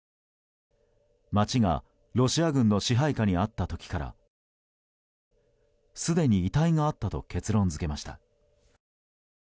街がロシア軍の支配下にあった時からすでに遺体があったと結論付けました。